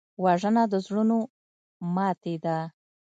وژنه د زړونو ماتې ده